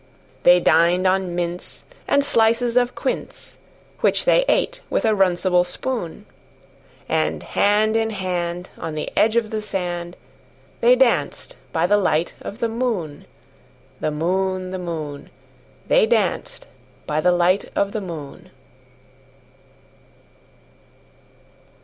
They dined on mince and slices of quince, Which they ate with a runcible spoon; And hand in hand, on the edge of the sand, They danced by the light of the moon, The moon, The moon, They danced by the light of the moon.